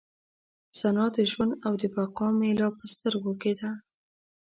ثنا د ژوند او د بقا مې لا په سترګو کې ده.